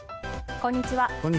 こんにちは。